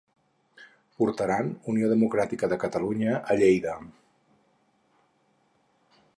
Portaran Unió Democràtica de Catalunya a Lleida.